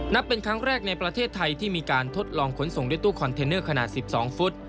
เป็นครั้งแรกในประเทศไทยที่มีการทดลองขนส่งด้วยตู้คอนเทนเนอร์ขนาด๑๒ฟุต